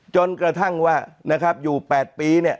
จนกระทั่งว่าอยู่๘ปี